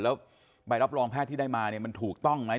แล้วใบรับรองแพทย์ที่ได้มาเนี่ยมันถูกต้องไหม